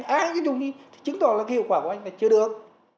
à cái túi ni lông chứng tỏ là hiệu quả của anh này chưa được